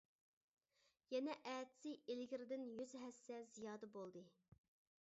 يەنە ئەتىسى ئىلگىرىدىن يۈز ھەسسە زىيادە بولدى.